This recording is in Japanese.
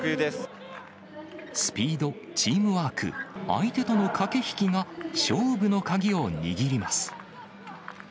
スピード、チームワーク、相手との駆け引きが、勝負の鍵を握ります。